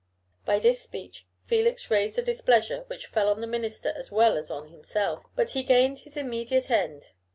By this speech Felix raised a displeasure which fell on the minister as well as on himself; but he gained his immediate end.